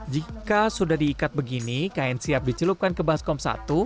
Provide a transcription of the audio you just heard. jika sudah diikat begini kain siap dicelupkan ke baskom satu